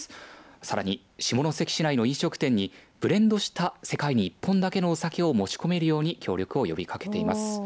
さらに下関市内の飲食店にブレンドした世界に１本だけのお酒を持ち込めるように協力を呼びかけています。